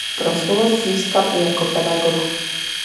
Proslulost získal i jako pedagog.